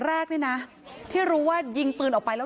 พระเจ้าที่อยู่ในเมืองของพระเจ้า